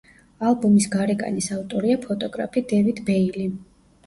ალბომის გარეკანის ავტორია ფოტოგრაფი დევიდ ბეილი.